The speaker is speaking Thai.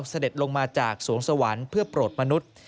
เสด็จลงมาจากสวงสวรรค์เพื่อโปรดมนุษย์